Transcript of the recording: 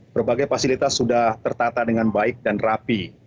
berbagai fasilitas sudah tertata dengan baik dan rapi